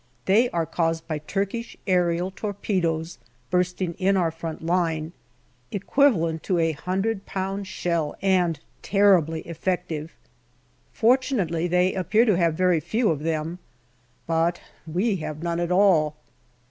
They are caused by Turkish aerial torpedoes bursting in our front line, equivalent to a hundred pound shell, and terribly effective. Fortunately, they appear to have very few of them, but we have none at all.